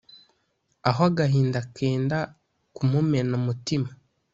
aho agahinda kenda kumumena umutima.